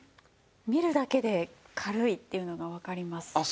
見るだけで軽いっていうのがわかります。